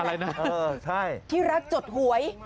พรีตอนท้ายนะที่รักจดหวย